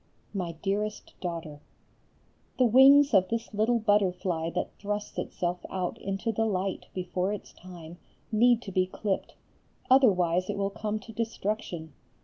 MY DEAREST DAUGHTER, The wings of this little butterfly that thrusts itself out into the light before its time need to be clipped; otherwise it will come to destruction.